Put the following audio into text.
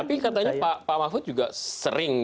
tapi katanya pak mahfud juga sering